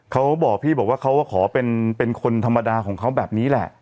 เขาบอกพี่บอกว่าเขาก็ขอเป็นคนธรรมดาของเขาแบบนี้แหละ